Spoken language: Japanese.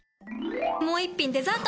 もう一品デザート！